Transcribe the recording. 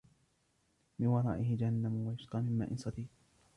مِنْ وَرَائِهِ جَهَنَّمُ وَيُسْقَى مِنْ مَاءٍ صَدِيدٍ